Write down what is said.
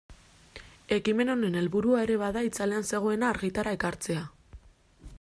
Ekimen honen helburua ere bada itzalean zegoena argitara ekartzea.